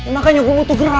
makanya gue butuh gerak